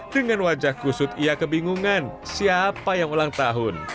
dengan wajah kusut ia kebingungan siapa yang ulang tahun